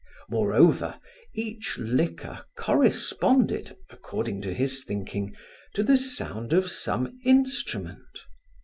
Moreover, each liquor corresponded, according to his thinking, to the sound of some instrument.